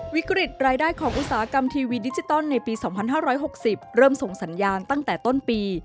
วิกฤตรายได้ของอุตสาหกรรมทีวีดิจิตอลในปี๒๕๖๐เริ่มส่งสัญญาณตั้งแต่ต้นปี